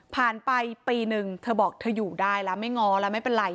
ไปปีนึงเธอบอกเธออยู่ได้แล้วไม่ง้อแล้วไม่เป็นไร